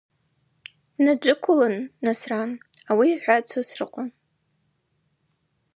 Днаджвыквылын: Насран! – ауи йхӏватӏ Сосрыкъва.